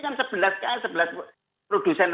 kan sebelas kali sebelas produsen